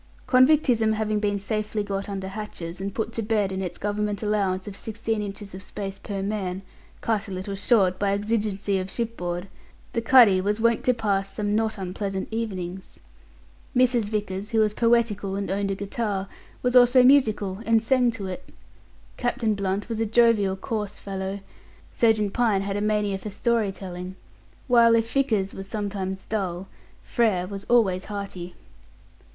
Convictism having been safely got under hatches, and put to bed in its Government allowance of sixteen inches of space per man, cut a little short by exigencies of shipboard, the cuddy was wont to pass some not unpleasant evenings. Mrs. Vickers, who was poetical and owned a guitar, was also musical and sang to it. Captain Blunt was a jovial, coarse fellow; Surgeon Pine had a mania for story telling; while if Vickers was sometimes dull, Frere was always hearty.